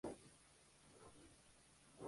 Estuvo dirigida y escrita por Sandy Tung.